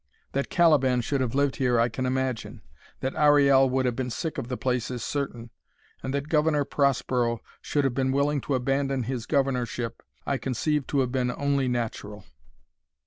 That Caliban should have lived here I can imagine; that Ariel would have been sick of the place is certain; and that Governor Prospero should have been willing to abandon his governorship, I conceive to have been only natural.